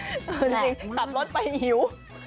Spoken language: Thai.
แรงมากแรงขับรถไปหิว